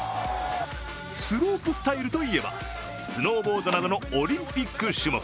スロープスタイルといえば、スノーボードなどのオリンピック種目。